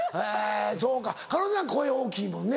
そうか彼女なんか声大きいもんね。